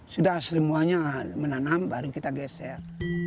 sudah semuanya menanam baru kita geser